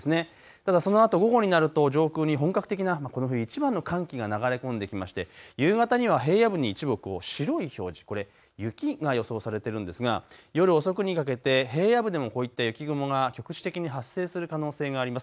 ただそのあと午後になると上空に本格的なこの冬いちばんの寒気が流れ込んできまして、夕方には平野部に一部、白い表示、雪が予想されているんですが、夜遅くにかけて平野部でもこういった雪雲が局地的に発生する可能性があります。